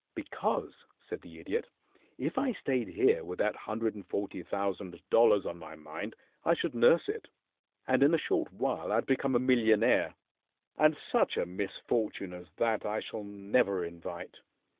"Because," said the Idiot, "if I stayed here with that hundred and forty thousand dollars on my mind I should nurse it, and in a short while I'd become a millionaire, and such a misfortune as that I shall never invite.